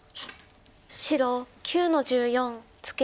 白９の十四ツケ。